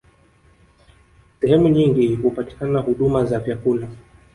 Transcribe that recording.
Sehemu nyingi hupatikana huduma za vyakula